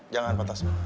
jangan patah semangat